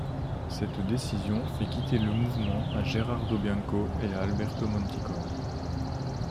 Cette décision fait quitter le mouvement à Gerardo Bianco et à Alberto Monticone.